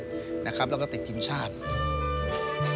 ก็ฝากถึงอ้ำด้วยแล้วกันว่าอย่าหยุดพัฒนาตัวเองให้เป็นอย่างนี้ตลอดไป